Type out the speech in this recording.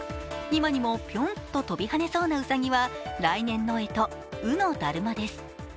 今にもピョンと跳びはねそうなうさぎは、来年の干支、うのだるまです。